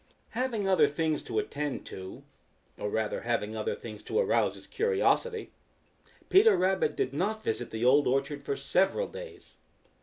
Having other things to attend to, or rather having other things to arouse his curiosity, Peter Rabbit did not visit the Old Orchard for several days.